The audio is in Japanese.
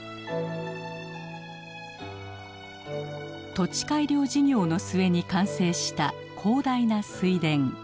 土地改良事業の末に完成した広大な水田。